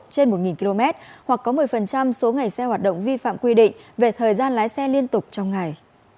trên một km hoặc có một mươi số ngày xe hoạt động vi phạm quy định về thời gian lái xe liên tục trong ngày